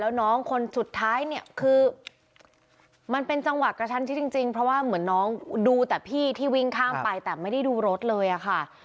แล้วน้องคนสุดท้ายเนี่ยคือมันเป็นจังหวะกระชันชิดจริงเพราะว่าเหมือนน้องดูแต่พี่ที่วิ่งข้ามไปแต่ไม่ได้ดูรถเลยอะค่ะ